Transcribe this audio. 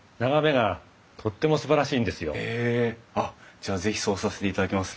じゃあ是非そうさせていただきます。